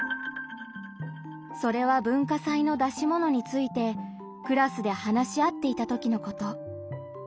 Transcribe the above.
それは文化祭の出し物についてクラスで話し合っていた時のこと。